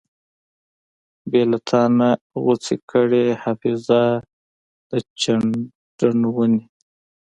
بې لتانۀ غوڅې کړې حافظه د چندڼو ونې